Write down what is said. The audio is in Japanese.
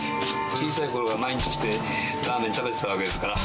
小さいころは毎日来て、ラーメン食べてたわけですから。